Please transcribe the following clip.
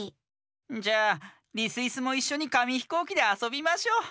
じゃあリスイスもいっしょにかみひこうきであそびましょう。